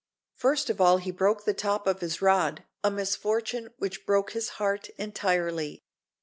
First of all he broke the top of his rod, a misfortune which broke his heart entirely.